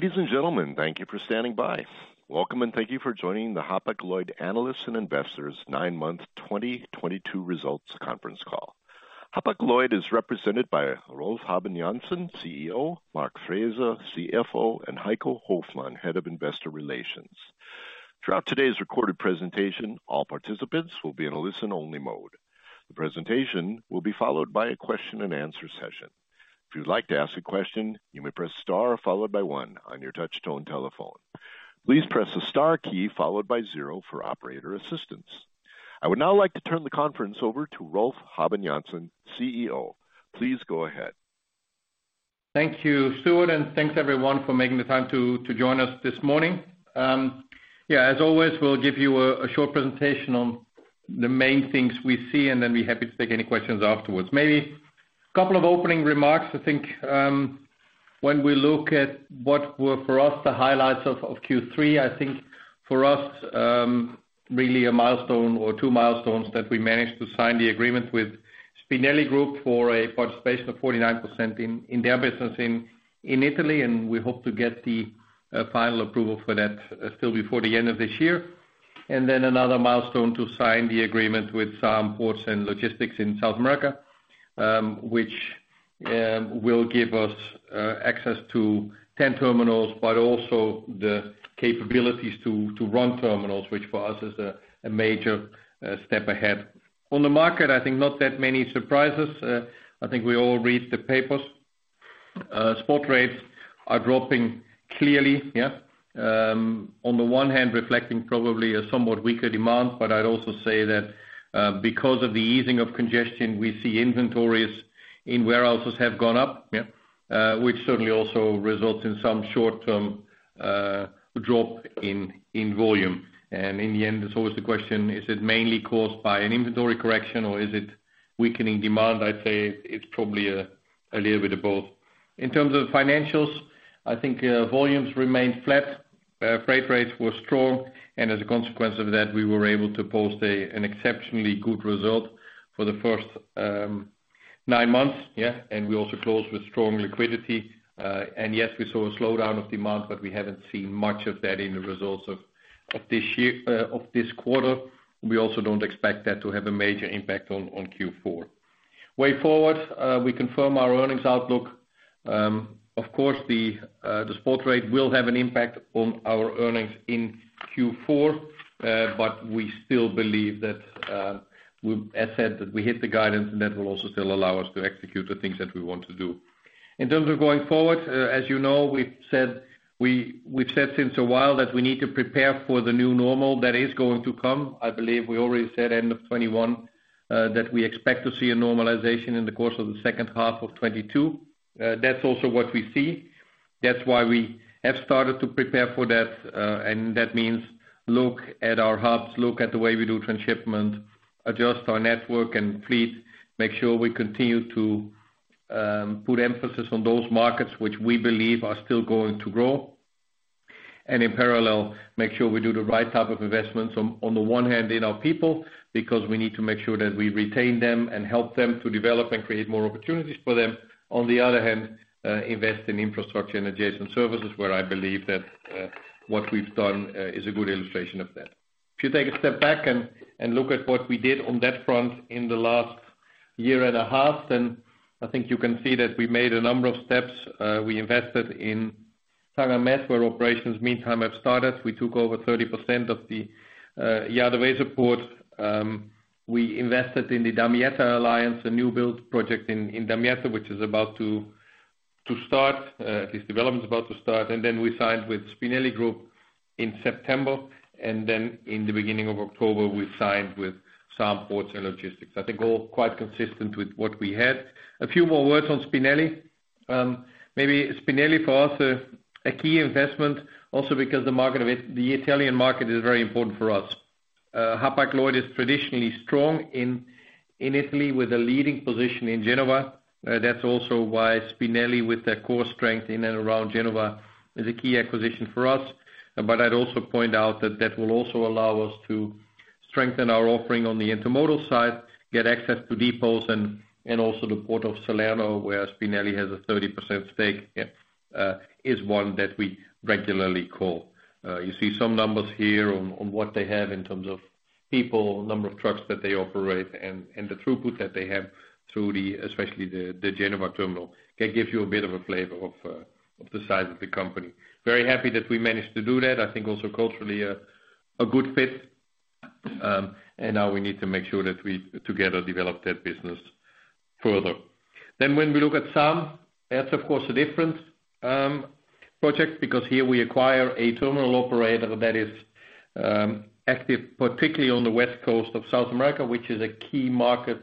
Ladies and gentlemen, thank you for standing by. Welcome, and thank you for joining the Hapag-Lloyd Analysts and Investors nine-month 2022 results conference call. Hapag-Lloyd is represented by Rolf Habben Jansen, CEO, Mark Frese, CFO, and Heiko Hoffmann, Head of Investor Relations. Throughout today's recorded presentation, all participants will be in a listen-only mode. The presentation will be followed by a question-and-answer session. If you'd like to ask a question, you may press star followed by one on your touch tone telephone. Please press the star key followed by zero for operator assistance. I would now like to turn the conference over to Rolf Habben Jansen, CEO. Please go ahead. Thank you, Stuart, and thanks, everyone, for making the time to join us this morning. As always, we'll give you a short presentation on the main things we see, and then be happy to take any questions afterwards. Maybe a couple of opening remarks. I think, when we look at what were for us the highlights of Q3, I think for us really a milestone or two milestones that we managed to sign the agreement with Spinelli Group for a participation of 49% in their business in Italy, and we hope to get the final approval for that still before the end of this year. Another milestone to sign the agreement with SAAM Ports and Logistics in South America, which will give us access to 10 terminals, but also the capabilities to run terminals, which for us is a major step ahead. On the market, I think not that many surprises. I think we all read the papers. Spot rates are dropping clearly. On the one hand reflecting probably a somewhat weaker demand, but I'd also say that because of the easing of congestion, we see inventories in warehouses have gone up, which certainly also results in some short-term drop in volume. In the end, it's always the question, is it mainly caused by an inventory correction or is it weakening demand? I'd say it's probably a little bit of both. In terms of financials, I think, volumes remained flat. Freight rates were strong, and as a consequence of that, we were able to post an exceptionally good result for the first nine months. We also closed with strong liquidity. Yes, we saw a slowdown of demand, but we haven't seen much of that in the results of this quarter. We also don't expect that to have a major impact on Q4. Way forward, we confirm our earnings outlook. Of course, the spot rate will have an impact on our earnings in Q4, but we still believe that, as said, that we hit the guidance, and that will also still allow us to execute the things that we want to do. In terms of going forward, as you know, we've said for a while that we need to prepare for the new normal that is going to come. I believe we already said end of 2021 that we expect to see a normalization in the course of the second half of 2022. That's also what we see. That's why we have started to prepare for that, and that means look at our hubs, look at the way we do transshipment, adjust our network and fleet, make sure we continue to put emphasis on those markets which we believe are still going to grow. In parallel, make sure we do the right type of investments on the one hand in our people, because we need to make sure that we retain them and help them to develop and create more opportunities for them. On the other hand, invest in infrastructure and adjacent services, where I believe that what we've done is a good illustration of that. If you take a step back and look at what we did on that front in the last year and a half, then I think you can see that we made a number of steps. We invested in Tanger Med, where operations meantime have started. We took over 30% of the JadeWeserPort. We invested in the Damietta Alliance, a new build project in Damietta, which is about to start this development. We signed with Spinelli Group in September, and then in the beginning of October, we signed with SAAM Ports and Logistics. I think all quite consistent with what we had. A few more words on Spinelli. Maybe Spinelli for us, a key investment also because the market in it, the Italian market is very important for us. Hapag-Lloyd is traditionally strong in Italy with a leading position in Genoa. That's also why Spinelli, with their core strength in and around Genoa, is a key acquisition for us. I'd also point out that that will also allow us to strengthen our offering on the intermodal side, get access to depots and also the port of Salerno, where Spinelli has a 30% stake, is one that we regularly call. You see some numbers here on what they have in terms of people, number of trucks that they operate and the throughput that they have through, especially the Genoa terminal. That gives you a bit of a flavor of the size of the company. Very happy that we managed to do that. I think also culturally a good fit. Now we need to make sure that we together develop that business further. When we look at some, that's of course a different project because here we acquire a terminal operator that is active particularly on the west coast of South America, which is a key market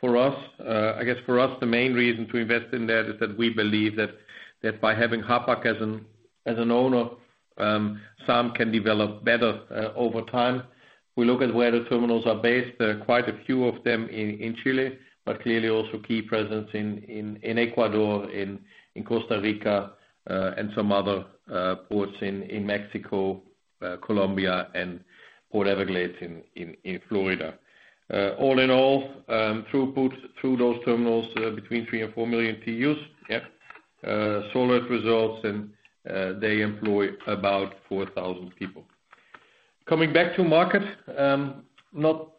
for us. I guess for us, the main reason to invest in that is that we believe that by having Hapag as an owner, SAAM can develop better over time. We look at where the terminals are based. There are quite a few of them in Chile, but clearly also key presence in Ecuador, in Costa Rica, and some other ports in Mexico, Colombia and Port Everglades in Florida. All in all, throughput through those terminals between three to four million TEUs. Solid results and they employ about 4,000 people. Coming back to the market,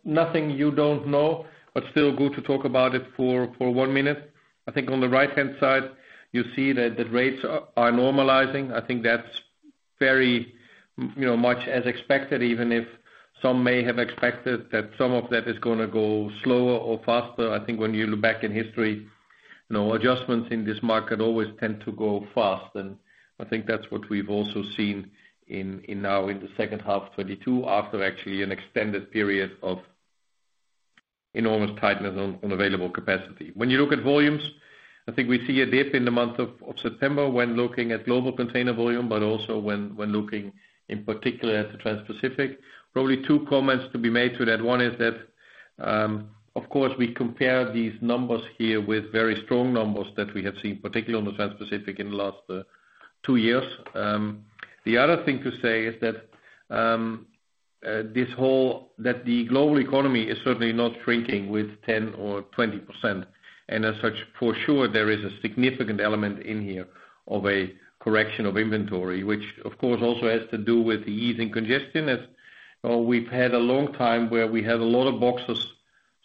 nothing you don't know, but still good to talk about it for one minute. I think on the right-hand side you see that the rates are normalizing. I think that's very you know, much as expected, even if some may have expected that some of that is gonna go slower or faster. I think when you look back in history, you know, adjustments in this market always tend to go fast. I think that's what we've also seen in now in the second half 2022, after actually an extended period of enormous tightness on available capacity. When you look at volumes, I think we see a dip in the month of September when looking at global container volume, but also when looking in particular at the Transpacific. Probably two comments to be made to that. One is that of course, we compare these numbers here with very strong numbers that we have seen, particularly on the Transpacific in the last two years. The other thing to say is that the global economy is certainly not shrinking with 10% or 20%. As such, for sure, there is a significant element in here of a correction of inventory, which of course also has to do with the ease in congestion. We've had a long time where we had a lot of boxes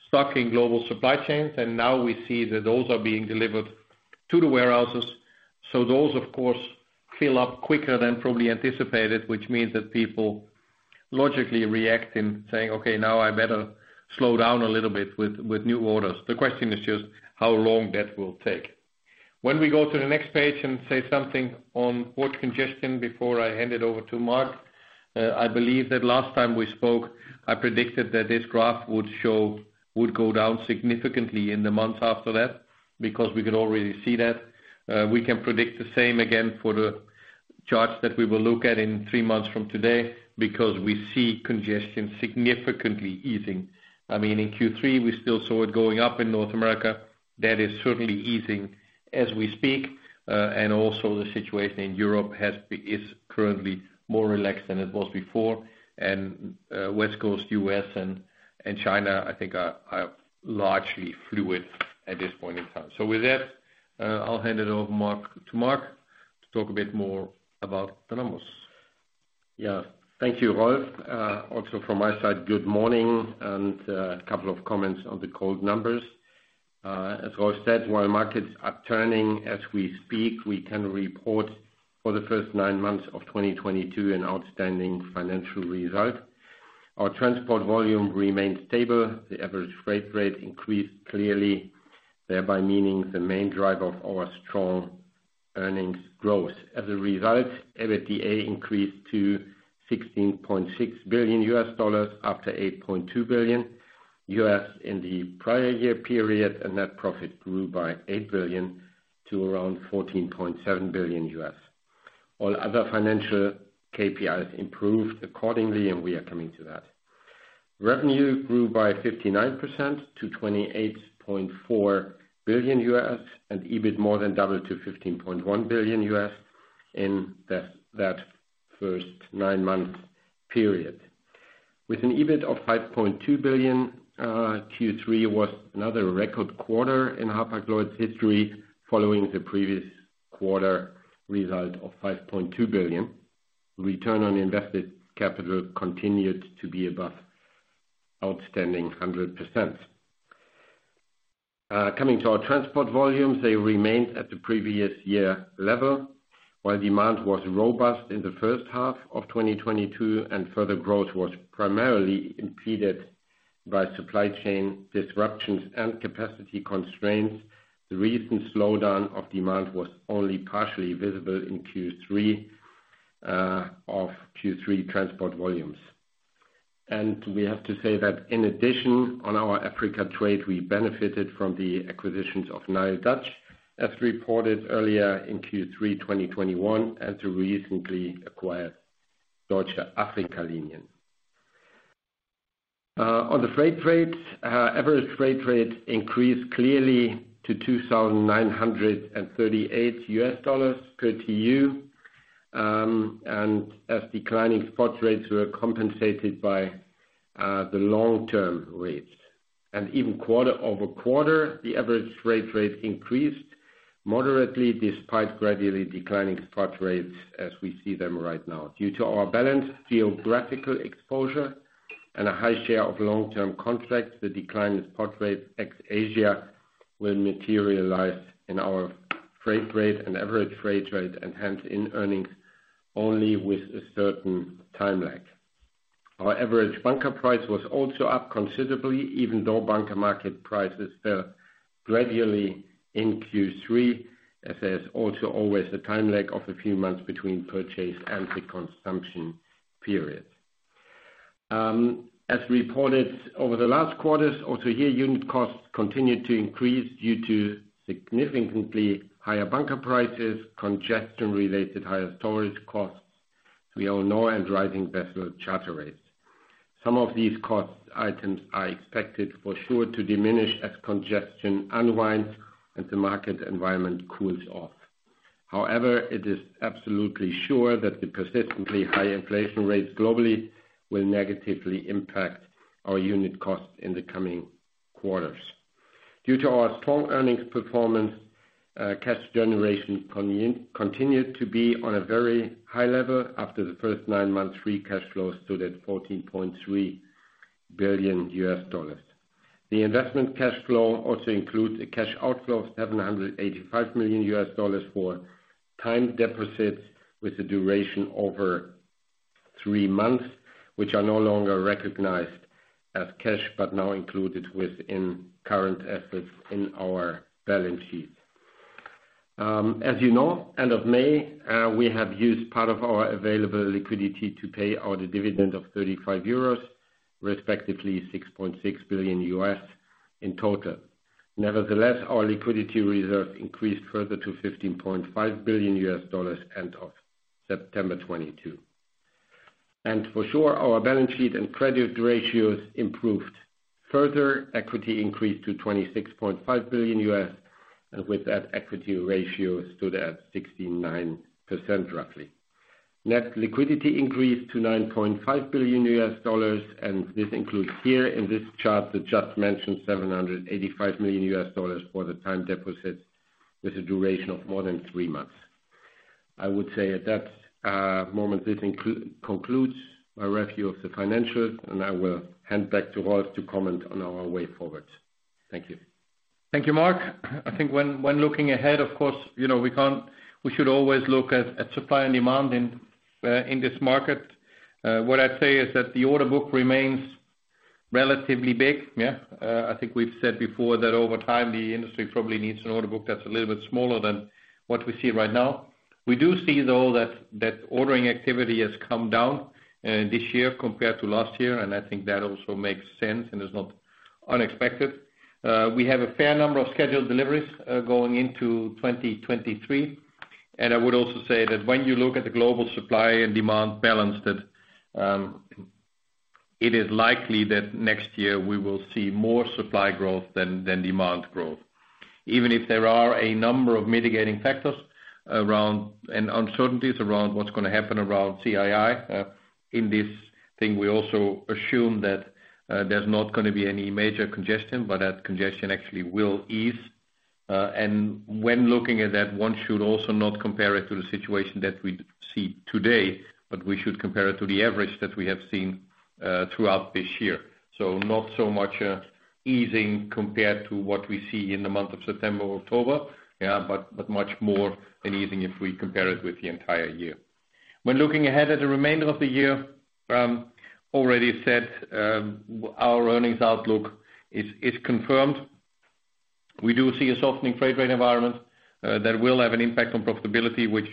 stuck in global supply chains, and now we see that those are being delivered to the warehouses. Those of course fill up quicker than probably anticipated, which means that people logically react in saying, "Okay, now I better slow down a little bit with new orders." The question is just how long that will take. When we go to the next page and say something on port congestion before I hand it over to Mark. I believe that last time we spoke, I predicted that this graph would go down significantly in the months after that because we could already see that. We can predict the same again for the charts that we will look at in three months from today because we see congestion significantly easing. I mean, in Q3, we still saw it going up in North America. That is certainly easing as we speak. Also the situation in Europe is currently more relaxed than it was before. West Coast, US, and China I think are largely fluid at this point in time. With that, I'll hand it over to Mark to talk a bit more about the numbers. Yeah. Thank you, Rolf. Also from my side, good morning, and a couple of comments on the core numbers. As Rolf said, while markets are turning as we speak, we can report for the first nine months of 2022 an outstanding financial result. Our transport volume remained stable. The average freight rate increased clearly, thereby meaning the main driver of our strong earnings growth. As a result, EBITDA increased to $16.6 billion after $8.2 billion in the prior year period, and net profit grew by $8 billion to around $14.7 billion. All other financial KPIs improved accordingly, and we are coming to that. Revenue grew by 59% to $28.4 billion, and EBIT more than doubled to $15.1 billion in that first nine-month period. With an EBIT of 5.2 billion, Q3 was another record quarter in Hapag-Lloyd's history following the previous quarter result of 5.2 billion. Return on invested capital continued to be above outstanding 100%. Coming to our transport volumes, they remained at the previous year level, while demand was robust in the first half of 2022 and further growth was primarily impeded by supply chain disruptions and capacity constraints. The recent slowdown of demand was only partially visible in Q3 of Q3 transport volumes. We have to say that in addition, on our Africa trade, we benefited from the acquisitions of NileDutch, as reported earlier in Q3 2021, and to recently acquire Deutsche Afrika-Linien. On the freight rates, average freight rate increased clearly to $2,938 per TEU. As declining spot rates were compensated by the long-term rates. Even quarter-over-quarter, the average freight rate increased moderately despite gradually declining spot rates as we see them right now. Due to our balanced geographical exposure and a high share of long-term contracts, the decline in spot rates ex-Asia will materialize in our freight rate and average freight rate, and hence in earnings only with a certain time lag. Our average bunker price was also up considerably, even though bunker market prices fell gradually in Q3, as there is also always a time lag of a few months between purchase and the consumption period. As reported over the last quarters, also here unit costs continued to increase due to significantly higher bunker prices, congestion-related higher storage costs via in-port and rising vessel charter rates. Some of these cost items are expected for sure to diminish as congestion unwinds and the market environment cools off. However, it is absolutely sure that the persistently high inflation rates globally will negatively impact our unit costs in the coming quarters. Due to our strong earnings performance, cash generation continued to be on a very high level. After the first nine months, free cash flow stood at $14.3 billion. The investment cash flow also includes a cash outflow of $785 million for time deposits with a duration over three months, which are no longer recognized as cash, but now included within current assets in our balance sheet. As you know, end of May, we have used part of our available liquidity to pay out a dividend of 35 euros, respectively $6.6 billion in total. Nevertheless, our liquidity reserve increased further to $15.5 billion end of September 2022. For sure, our balance sheet and credit ratios improved. Further, equity increased to $26.5 billion, and with that, equity ratio stood at 69% roughly. Net liquidity increased to $9.5 billion, and this includes here in this chart, the just mentioned $785 million for the time deposits with a duration of more than three months. I would say at that moment, this concludes my review of the financials, and I will hand back to Rolf to comment on our way forward. Thank you. Thank you, Mark. I think when looking ahead, of course, you know we should always look at supply and demand in this market. What I'd say is that the order book remains relatively big. Yeah. I think we've said before that over time, the industry probably needs an order book that's a little bit smaller than what we see right now. We do see, though, that ordering activity has come down this year compared to last year, and I think that also makes sense and is not unexpected. We have a fair number of scheduled deliveries going into 2023. I would also say that when you look at the global supply and demand balance that it is likely that next year we will see more supply growth than demand growth. Even if there are a number of mitigating factors around, and uncertainties around what's gonna happen around CII. In this thing, we also assume that, there's not gonna be any major congestion, but that congestion actually will ease. And when looking at that, one should also not compare it to the situation that we see today, but we should compare it to the average that we have seen, throughout this year. So not so much, easing compared to what we see in the month of September or October, but much more an easing if we compare it with the entire year. When looking ahead at the remainder of the year, already said, our earnings outlook is confirmed. We do see a softening freight rate environment, that will have an impact on profitability, which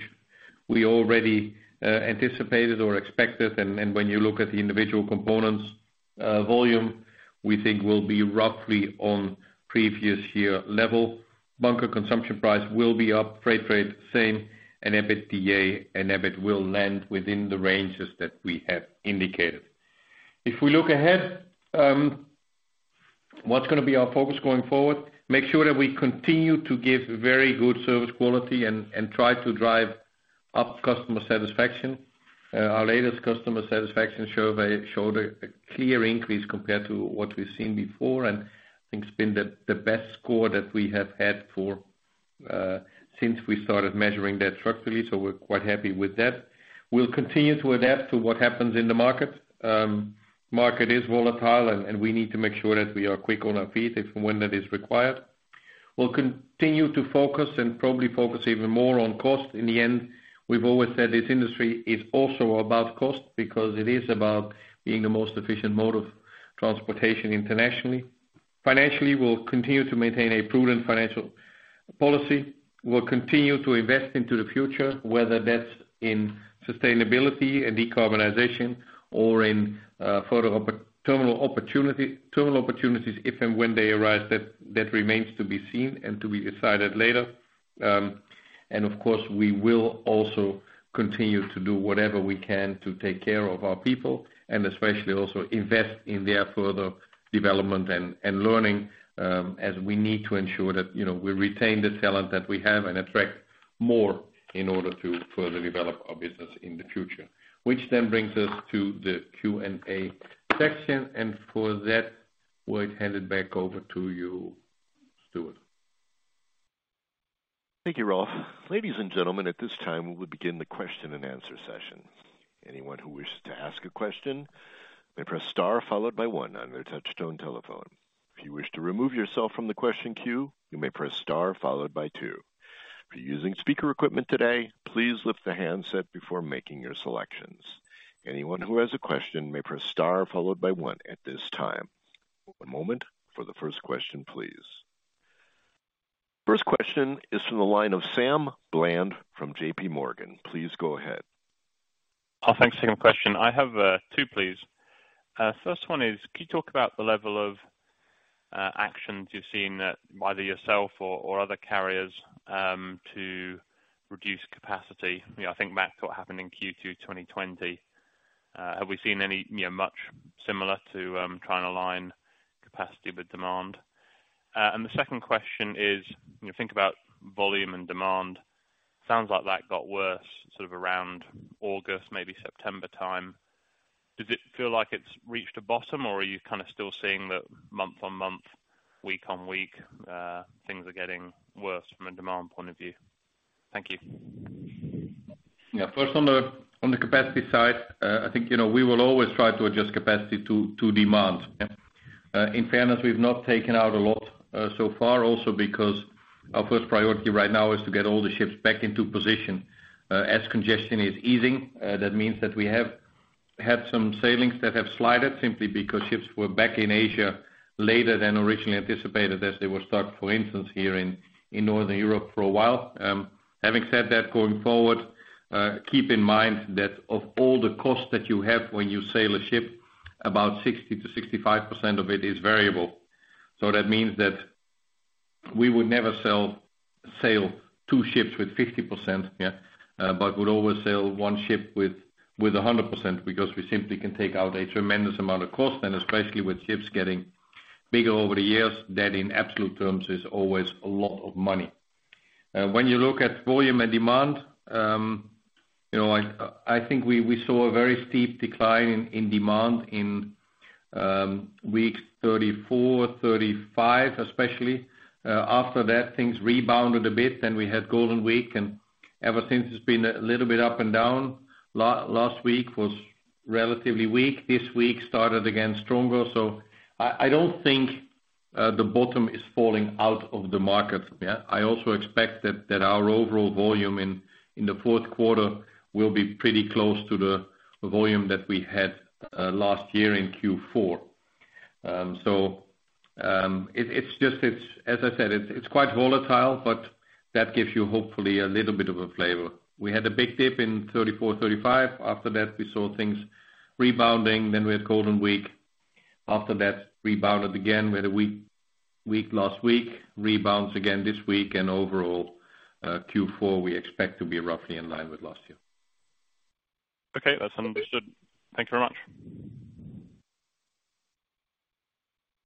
we already, anticipated or expected. When you look at the individual components, volume, we think will be roughly on previous year level. Bunker consumption price will be up, freight rate same, and EBITDA and EBIT will land within the ranges that we have indicated. If we look ahead, what's gonna be our focus going forward? Make sure that we continue to give very good service quality and try to drive up customer satisfaction. Our latest customer satisfaction survey showed a clear increase compared to what we've seen before, and I think it's been the best score that we have had for since we started measuring that structurally. We're quite happy with that. We'll continue to adapt to what happens in the market. Market is volatile and we need to make sure that we are quick on our feet if and when that is required. We'll continue to focus and probably focus even more on cost. In the end, we've always said this industry is also about cost because it is about being the most efficient mode of transportation internationally. Financially, we'll continue to maintain a prudent financial policy. We'll continue to invest into the future, whether that's in sustainability and decarbonization or in further terminal opportunity, terminal opportunities if and when they arise. That remains to be seen and to be decided later. Of course, we will also continue to do whatever we can to take care of our people and especially also invest in their further development and learning, as we need to ensure that, you know, we retain the talent that we have and attract more in order to further develop our business in the future. Which then brings us to the Q&A section. For that, we'll hand it back over to you, Stuart. Thank you, Rolf. Ladies and gentlemen, at this time, we will begin the question-and-answer session. Anyone who wishes to ask a question may press star followed by one on their touchtone telephone. If you wish to remove yourself from the question queue, you may press star followed by two. If you're using speaker equipment today, please lift the handset before making your selections. Anyone who has a question may press star followed by one at this time. One moment for the first question, please. First question is from the line of Sam Bland from JPMorgan. Please go ahead. Oh, thanks for taking the question. I have two, please. First one is, can you talk about the level of actions you're seeing that either yourself or other carriers to reduce capacity? You know, I think back to what happened in Q2 2020. Have we seen any, you know, much similar to trying to align capacity with demand? The second question is, you know, think about volume and demand. Sounds like that got worse sort of around August, maybe September time. Does it feel like it's reached a bottom or are you kinda still seeing that month-on-month, week-on-week, things are getting worse from a demand point of view? Thank you. Yeah. First, on the capacity side, I think, you know, we will always try to adjust capacity to demand. In fairness, we've not taken out a lot so far also because our first priority right now is to get all the ships back into position. As congestion is easing, that means that we have had some sailings that have slid simply because ships were back in Asia later than originally anticipated, as they were stuck, for instance, here in Northern Europe for a while. Having said that, going forward, keep in mind that of all the costs that you have when you sail a ship, about 60%-65% of it is variable. That means that we would never sail two ships with 50%, but would always sail one ship with 100% because we simply can take out a tremendous amount of cost. Especially with ships getting bigger over the years, that in absolute terms is always a lot of money. When you look at volume and demand, you know, I think we saw a very steep decline in demand in weeks 34, 35 especially. After that, things rebounded a bit, then we had Golden Week, and ever since it's been a little bit up and down. Last week was relatively weak. This week started again stronger. I don't think the bottom is falling out of the market. I also expect that our overall volume in the fourth quarter will be pretty close to the volume that we had last year in Q4. So, it's just it's. As I said, it's quite volatile, but that gives you hopefully a little bit of a flavor. We had a big dip in 34, 35. After that we saw things rebounding, then we had Golden Week. After that, rebound began. We had a weak week last week, rebound again this week. Overall, Q4 we expect to be roughly in line with last year. Okay. That's understood. Thanks very much.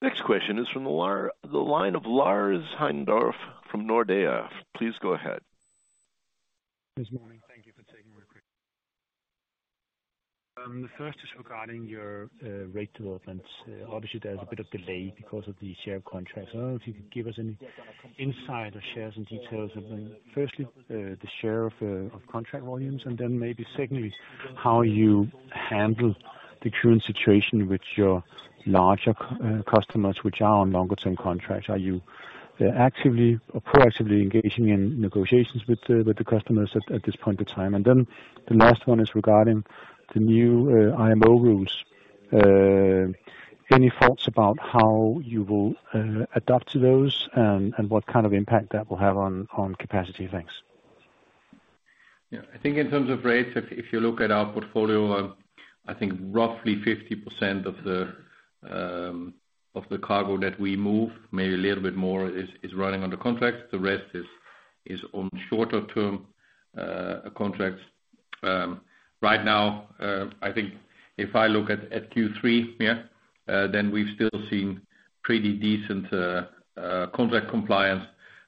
Next question is from the line of Lars Heindorff from Nordea. Please go ahead. Yes. Morning. Thank you for taking my question. The first is regarding your rate developments. Obviously there is a bit of delay because of the spot contracts. I don't know if you could give us any insight or spot rates and details of them. Firstly, the share of contract volumes, and then maybe secondly, how you handle the current situation with your larger customers which are on longer term contracts. Are you actively or proactively engaging in negotiations with the customers at this point in time? The last one is regarding the new IMO rules. Any thoughts about how you will adapt to those and what kind of impact that will have on capacity? Thanks. Yeah. I think in terms of rates, if you look at our portfolio, I think roughly 50% of the cargo that we move, maybe a little bit more is running under contracts. The rest is on shorter term contracts. Right now, I think if I look at Q3, then we've still seen pretty decent contract compliance.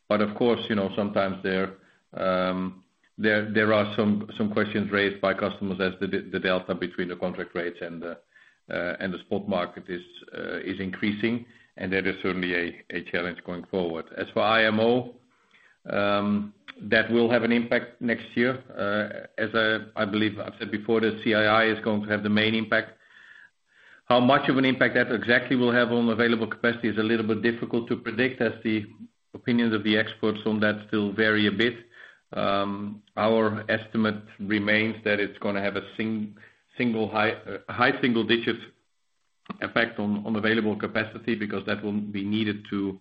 Of course, you know, sometimes there are some questions raised by customers as the delta between the contract rates and the spot market is increasing, and that is certainly a challenge going forward. As for IMO, that will have an impact next year. As I believe I've said before, the CII is going to have the main impact. How much of an impact that exactly will have on available capacity is a little bit difficult to predict, as the opinions of the experts on that still vary a bit. Our estimate remains that it's gonna have a single high single digit effect on available capacity because that will be needed to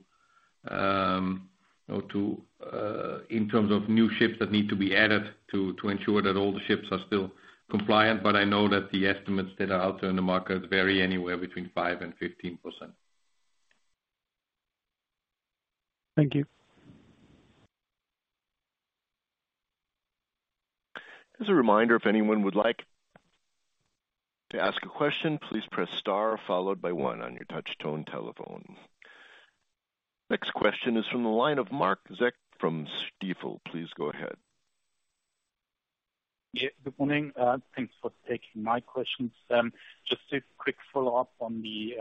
in terms of new ships that need to be added to ensure that all the ships are still compliant. I know that the estimates that are out there in the market vary anywhere between 5% and 15%. Thank you. As a reminder, if anyone would like to ask a question, please press star followed by one on your touch tone telephone. Next question is from the line of Marc Zeck from Stifel. Please go ahead. Yeah. Good morning. Thanks for taking my questions. Just a quick follow-up on the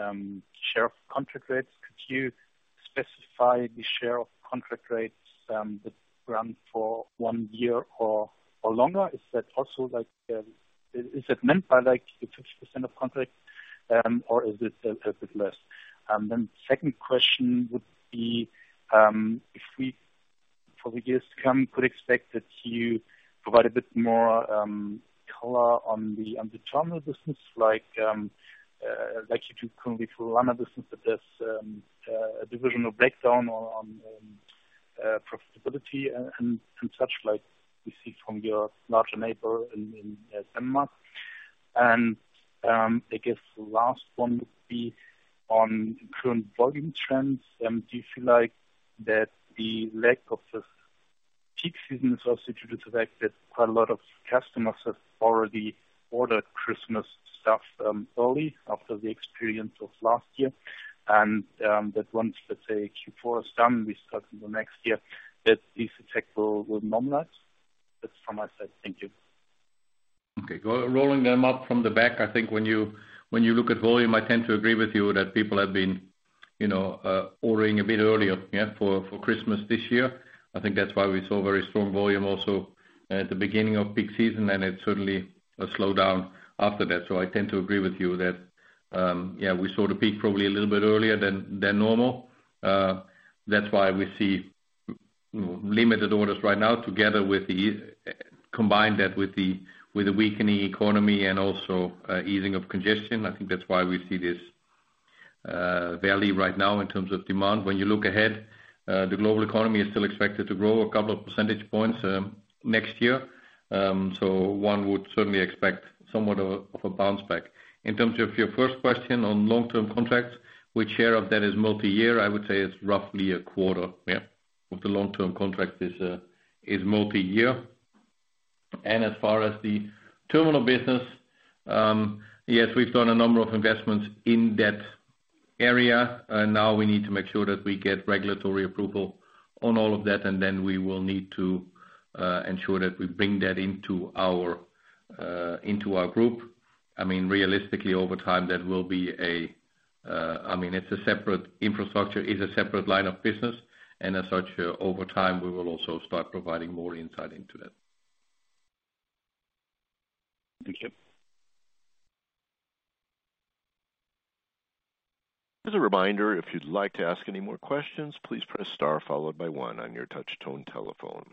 share of contract rates. Could you specify the share of contract rates that run for one year or longer? Is that also like is it meant by like the 50% of contract or is it a bit less? Then second question would be if we for the years to come could expect that you provide a bit more color on the terminal business like you do currently for liner business, but there's a divisional breakdown on profitability and such like we see from your larger neighbor in Denmark. I guess the last one would be on current volume trends. Do you feel like that the lack of the peak season is also due to the fact that quite a lot of customers have already ordered Christmas stuff early after the experience of last year? That once, let's say Q4 is done, we start in the next year, that this effect will normalize? That's from my side. Thank you. Okay. Rolling them up from the back. I think when you look at volume, I tend to agree with you that people have been, you know, ordering a bit earlier, yeah, for Christmas this year. I think that's why we saw very strong volume also at the beginning of peak season, and it certainly slowed down after that. I tend to agree with you that, yeah, we saw the peak probably a little bit earlier than normal. That's why we see limited orders right now together with the weakening economy and also easing of congestion. I think that's why we see this valley right now in terms of demand. When you look ahead, the global economy is still expected to grow a couple of percentage points next year. One would certainly expect somewhat of a bounce back. In terms of your first question on long-term contracts, what share of that is multi-year. I would say it's roughly a quarter of the long-term contract is multi-year. As far as the terminal business, yes, we've done a number of investments in that area. Now we need to make sure that we get regulatory approval on all of that, and then we will need to ensure that we bring that into our group. I mean, realistically, over time, that will be a separate infrastructure, is a separate line of business, and as such, over time, we will also start providing more insight into that. Thank you. As a reminder, if you'd like to ask any more questions, please press star followed by one on your touch tone telephone.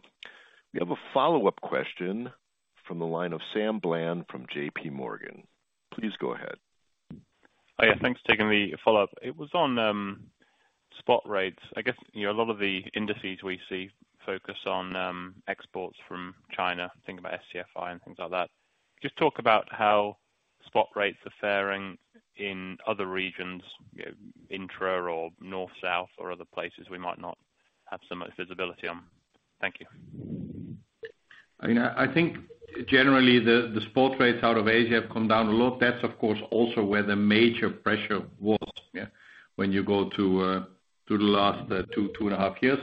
We have a follow-up question from the line of Sam Bland from JPMorgan. Please go ahead. Oh, yeah. Thanks for taking the follow-up. It was on spot rates. I guess, you know, a lot of the indices we see focus on exports from China, think about SCFI and things like that. Just talk about how spot rates are faring in other regions, you know, intra or north, south or other places we might not have so much visibility on. Thank you. I mean, I think generally the spot rates out of Asia have come down a lot. That's of course also where the major pressure was, yeah. When you go to the last 2.5 years.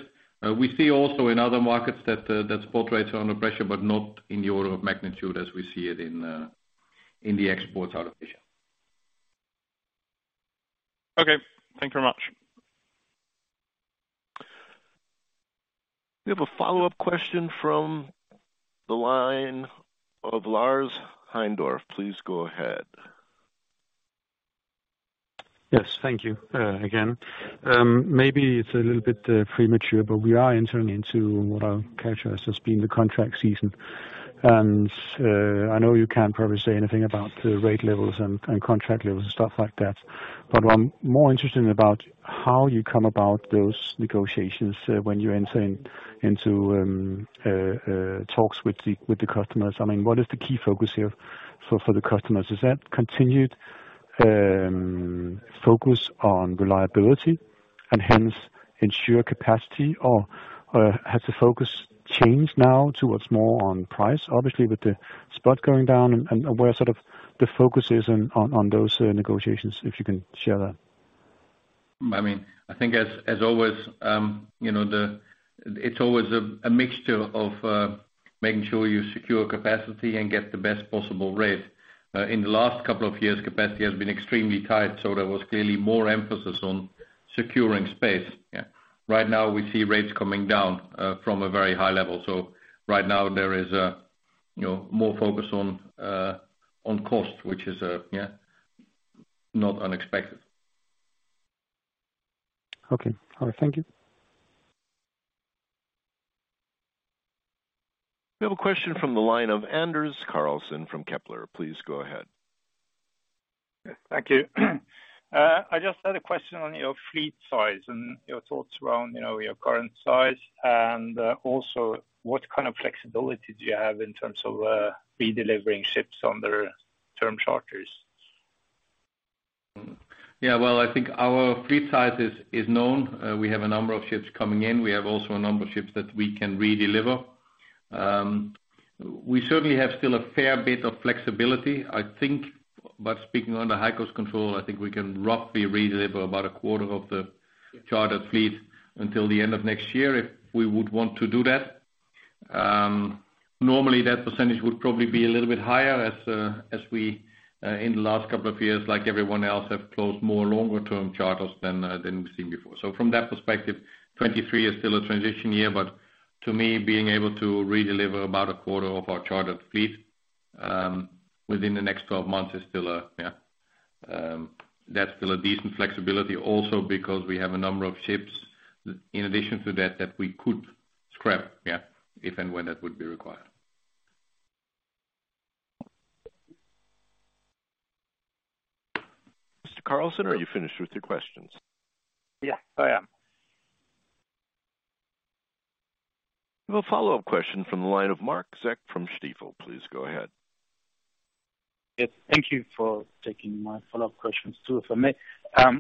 We see also in other markets that spot rates are under pressure, but not in the order of magnitude as we see it in the exports out of Asia. Okay. Thank you very much. We have a follow-up question from the line of Lars Heindorff. Please go ahead. Yes. Thank you, again. Maybe it's a little bit premature, but we are entering into what I would characterize as being the contract season. I know you can't probably say anything about the rate levels and contract levels and stuff like that, but what I'm more interested in about how you come about those negotiations, when you're entering into talks with the customers. I mean, what is the key focus here for the customers? Is that continued focus on reliability and hence ensure capacity or has the focus changed now towards more on price, obviously with the spot going down and where sort of the focus is on those negotiations, if you can share that? I mean, I think as always, you know, It's always a mixture of making sure you secure capacity and get the best possible rate. In the last couple of years, capacity has been extremely tight, so there was clearly more emphasis on securing space. Yeah. Right now we see rates coming down from a very high level. So right now there is a, you know, more focus on cost, which is yeah, not unexpected. Okay. All right. Thank you. We have a question from the line of Anders-Redigh Karlsen from Kepler Cheuvreux. Please go ahead. Thank you. I just had a question on your fleet size and your thoughts around, you know, your current size and, also what kind of flexibility do you have in terms of, redelivering ships under term charters? Yeah. Well, I think our fleet size is known. We have a number of ships coming in. We have also a number of ships that we can redeliver. We certainly have still a fair bit of flexibility. I think by speaking under high cost control, I think we can roughly redeliver about a quarter of the chartered fleet until the end of next year if we would want to do that. Normally that percentage would probably be a little bit higher as as we in the last couple of years, like everyone else, have closed more longer term charters than than we've seen before. From that perspective, 2023 is still a transition year. To me, being able to redeliver about a quarter of our chartered fleet within the next 12 months, yeah, that's still a decent flexibility also because we have a number of ships in addition to that that we could scrap, yeah, if and when that would be required. Mr. Karlsen, are you finished with your questions? Yeah. I am. We have a follow-up question from the line of Marc Zeck from Stifel. Please go ahead. Yes. Thank you for taking my follow-up questions too. If I may,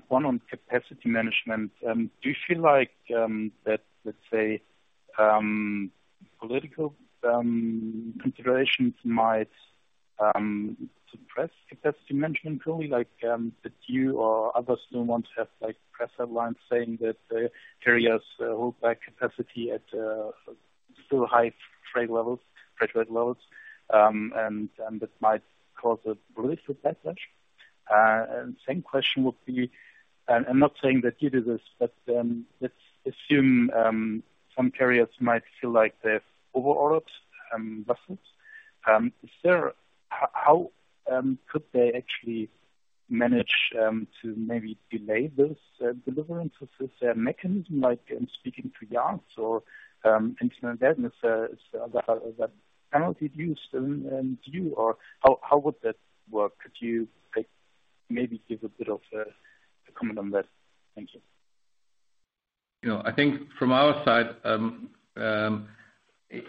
one on capacity management, do you feel like that, let's say, political considerations might suppress capacity management really like that you or other small ones have, like press headlines saying that the carriers hold back capacity at still high trade levels, freight rate levels. This might cause a release of that much. Same question would be, I'm not saying that you did this, but let's assume SAAM carriers might feel like they've over ordered vessels. How could they actually manage to maybe delay this delivery? Is there a mechanism like in speaking to yards or internal vendors? Is that penalty used, and how would that work? Could you like maybe give a bit of a comment on that? Thank you. You know, I think from our side,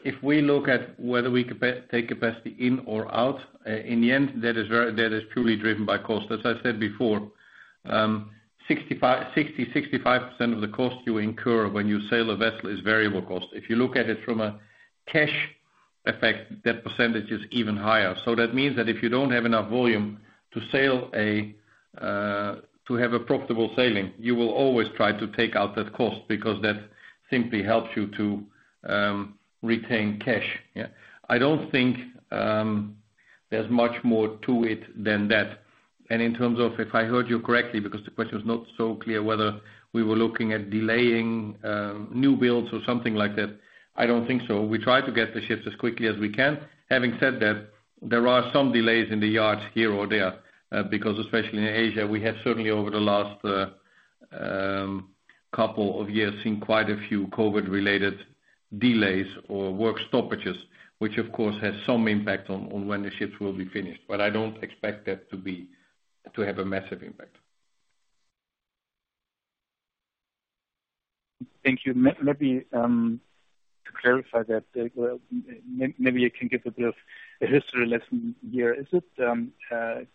if we look at whether we take capacity in or out, in the end, that is purely driven by cost. As I said before, 65% of the cost you incur when you sell a vessel is variable cost. If you look at it from a cash effect, that percentage is even higher. So that means that if you don't have enough volume to have a profitable sailing, you will always try to take out that cost because that simply helps you to retain cash. Yeah. I don't think there's much more to it than that. In terms of, if I heard you correctly, because the question was not so clear whether we were looking at delaying new builds or something like that. I don't think so. We try to get the ships as quickly as we can. Having said that, there are some delays in the yards here or there, because especially in Asia, we have certainly over the last couple of years seen quite a few COVID related delays or work stoppages, which of course has some impact on when the ships will be finished. I don't expect that to have a massive impact. Thank you. Maybe to clarify that, well, maybe I can give a bit of a history lesson here. Is it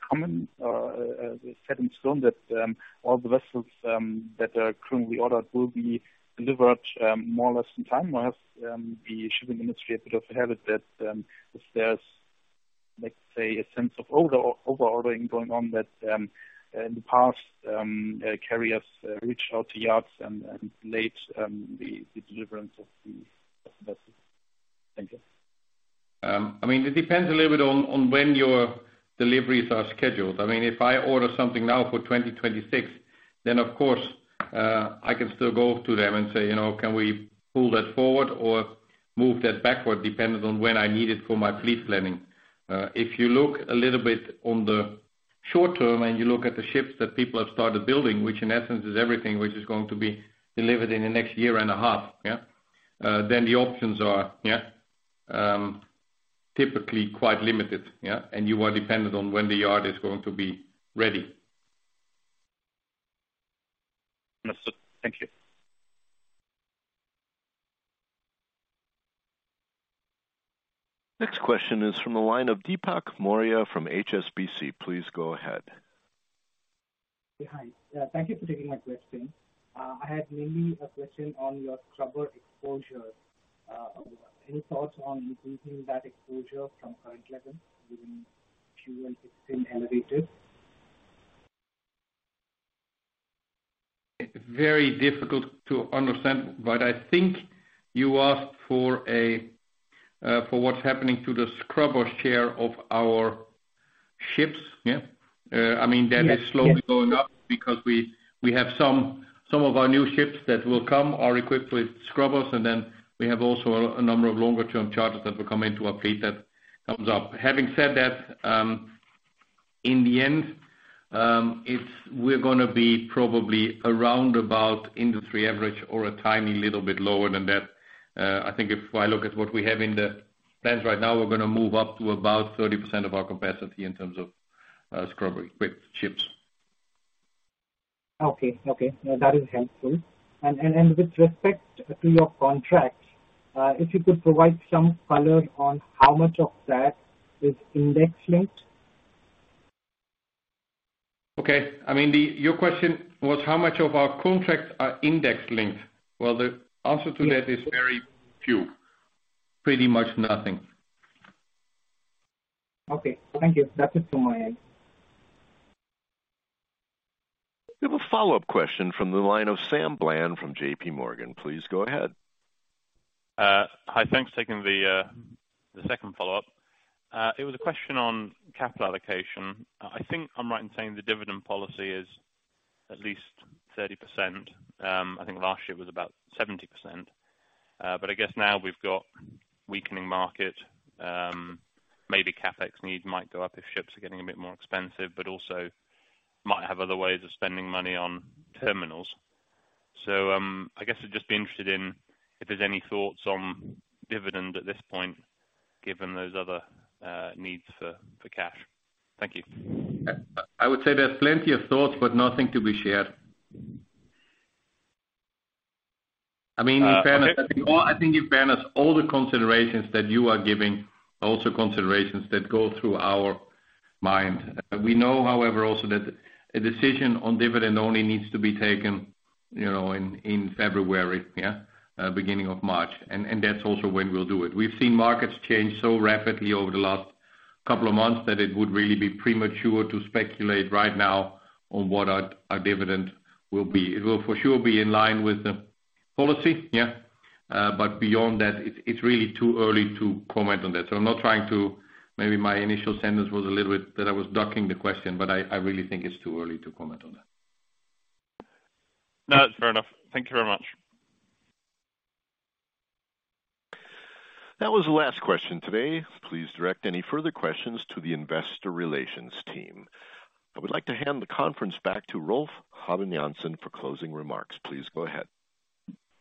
common or set in stone that all the vessels that are currently ordered will be delivered more or less in time? Or has the shipping industry a bit of a habit that in the past carriers reached out to yards and delayed the delivery of the vessels? Thank you. I mean, it depends a little bit on when your deliveries are scheduled. I mean, if I order something now for 2026, then of course, I can still go to them and say, you know, can we pull that forward or move that backward dependent on when I need it for my fleet planning? If you look a little bit on the short term and you look at the ships that people have started building, which in essence is everything which is going to be delivered in the next year and a half. Then the options are typically quite limited. You are dependent on when the yard is going to be ready. Understood. Thank you. Next question is from the line of Deepak Maurya from HSBC. Please go ahead. Yeah, hi. Thank you for taking my question. I had mainly a question on your scrubber exposure. Any thoughts on increasing that exposure from current levels given Q16 elevated? Very difficult to understand, but I think you asked for what's happening to the scrubber share of our ships, yeah? I mean, that is slowly going up because we have 50% of our new ships that will come are equipped with scrubbers, and then we have also a number of longer term charters that will come into our fleet that comes up. Having said that, in the end, it's we're gonna be probably around about industry average or a tiny little bit lower than that. I think if I look at what we have in the plans right now, we're gonna move up to about 30% of our capacity in terms of scrubber equipped ships. Okay. That is helpful. With respect to your contract, if you could provide some color on how much of that is index linked. Okay. I mean, Your question was how much of our contracts are index linked? Well, the answer to that is very few. Pretty much nothing. Okay. Thank you. That's it from my end. We have a follow-up question from the line of Sam Bland from JPMorgan. Please go ahead. Hi. Thanks for taking the second follow-up. It was a question on capital allocation. I think I'm right in saying the dividend policy is at least 30%. I think last year was about 70%. But I guess now we've got weakening market. Maybe CapEx need might go up if ships are getting a bit more expensive, but also might have other ways of spending money on terminals. I guess I'd just be interested in if there's any thoughts on dividend at this point, given those other needs for cash. Thank you. I would say there's plenty of thoughts, but nothing to be shared. I mean, in fairness, all the considerations that you are giving are also considerations that go through our mind. We know, however, also that a decision on dividend only needs to be taken, you know, in February, yeah, beginning of March. That's also when we'll do it. We've seen markets change so rapidly over the last couple of months that it would really be premature to speculate right now on what our dividend will be. It will for sure be in line with the policy, yeah. But beyond that, it's really too early to comment on that. I'm not trying to. Maybe my initial sentence was a little bit that I was ducking the question, but I really think it's too early to comment on that. No, that's fair enough. Thank you very much. That was the last question today. Please direct any further questions to the investor relations team. I would like to hand the conference back to Rolf Habben Jansen for closing remarks. Please go ahead.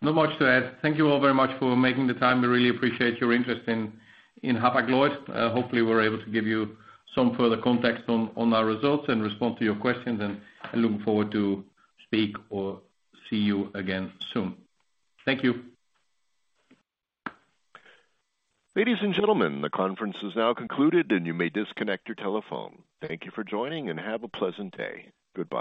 Not much to add. Thank you all very much for making the time. We really appreciate your interest in Hapag-Lloyd. Hopefully, we're able to give you some further context on our results and respond to your questions, and I look forward to speak or see you again soon. Thank you. Ladies and gentlemen, the conference is now concluded and you may disconnect your telephone. Thank you for joining and have a pleasant day. Goodbye.